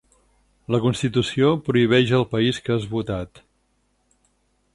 La constitució prohibeix el país que has votat.